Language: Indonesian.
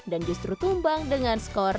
dan justru tumbang dengan skor dua